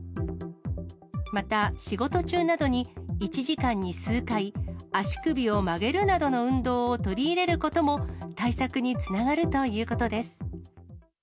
また、仕事中などに１時間に数回、足首を曲げるなどの運動を取り入れることも、対策につながるということです。